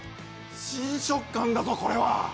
新食感だぞこれは！？